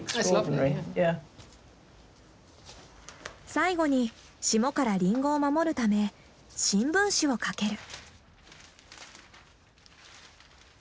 最後に霜からリンゴを守るため新聞紙をかける。